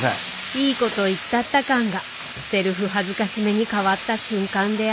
いいこと言ったった感がセルフ辱めにかわった瞬間である。